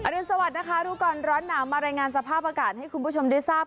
รุนสวัสดินะคะรู้ก่อนร้อนหนาวมารายงานสภาพอากาศให้คุณผู้ชมได้ทราบ